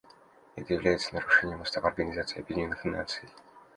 Это является нарушением Устава Организации Объединенных Наций.